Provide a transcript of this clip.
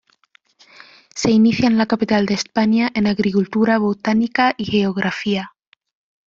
Se inicia en la capital de España en agricultura, botánica y geografía.